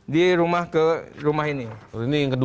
di rumah ini